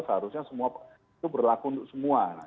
seharusnya semua itu berlaku untuk semua